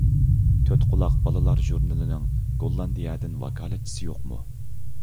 تۆتقۇلاق بالىلار ژۇرنىلىنىڭ گوللاندىيەدىن ۋاكالەتچىسى يوقمۇ؟